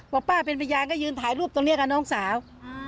ป้าเป็นพยานก็ยืนถ่ายรูปตรงนี้กับน้องสาว